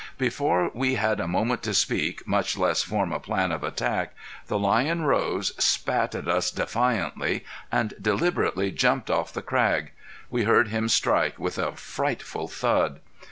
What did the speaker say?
Before we had a moment to speak, much less form a plan of attack, the lion rose, spat at us defiantly, and deliberately jumped off the crag. We heard him strike with a frightful thud.